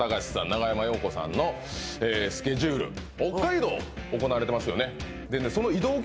長山洋子さんのスケジュール北海道行われてますよね